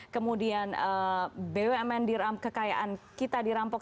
kemudian bumn diram kekayaan kita dirampok